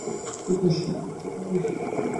একটা প্রশ্ন করতে পারি?